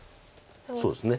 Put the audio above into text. そうですね。